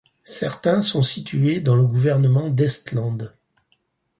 Certains sont situés dans le gouvernement d'Estland.